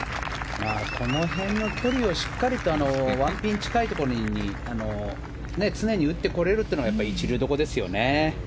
この辺の距離をしっかり１ピン近いところに常に打ってこれるのが一流どころですよね。